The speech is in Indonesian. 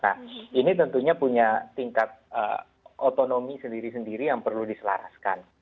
nah ini tentunya punya tingkat otonomi sendiri sendiri yang perlu diselaraskan